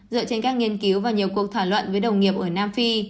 dựa trên các nghiên cứu và nhiều cuộc thảo luận với đồng nghiệp ở nam phi